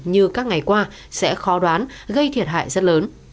như các ngày qua sẽ khó đoán gây thiệt hại rất lớn